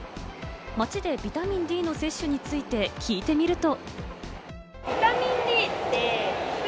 街でビタミンＤの摂取について聞いてみると。